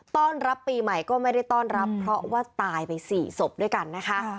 ต้อนรับปีใหม่ก็ไม่ได้ต้อนรับเพราะว่าตายไป๔ศพด้วยกันนะคะ